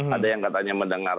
ada yang katanya mendengar